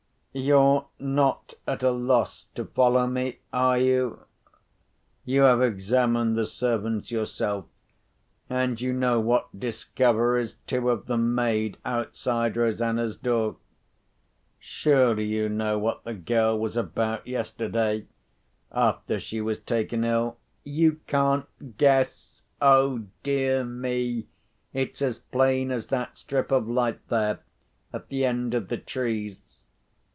You're not at a loss to follow me, are you? You have examined the servants yourself, and you know what discoveries two of them made outside Rosanna's door. Surely you know what the girl was about yesterday, after she was taken ill? You can't guess? Oh dear me, it's as plain as that strip of light there, at the end of the trees.